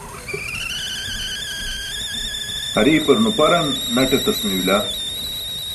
Hariipar nuparan naṭ etas meeybila.